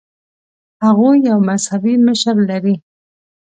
هغوی یو مذهبي مشر لري.